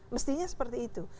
mestinya seperti itu